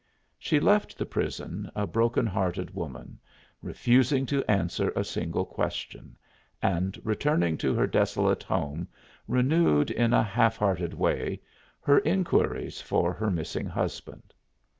She left the prison, a broken hearted woman, refusing to answer a single question, and returning to her desolate home renewed, in a half hearted way, her inquiries for her missing husband.